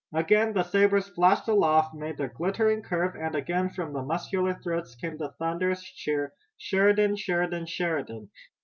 Again the sabers flashed aloft, made their glittering curve, and again from muscular throats came the thunderous cheer: "Sheridan! Sheridan! Sheridan!"